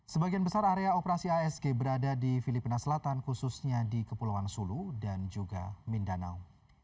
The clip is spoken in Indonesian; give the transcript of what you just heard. sebagian besar area operasi asg berada di filipina selatan khususnya di kepulauan sulu dan juga mindanao